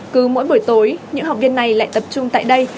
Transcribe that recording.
cứ mỗi buổi tối những học viên này lại tập trung tại đây